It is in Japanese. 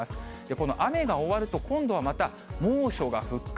この雨が終わると、今度はまた猛暑が復活。